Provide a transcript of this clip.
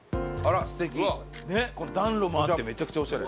暖炉もあってめちゃくちゃオシャレ。